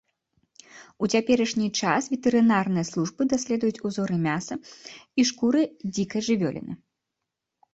У цяперашні час ветэрынарныя службы даследуюць узоры мяса і шкуры дзікай жывёліны.